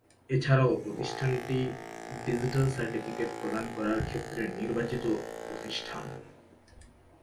এছাড়াও প্রতিষ্ঠানটি digital certificate প্রদান করার ক্ষেত্রে নির্বাচিত প্রতিষ্ঠান।